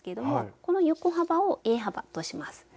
この横幅をＡ幅とします。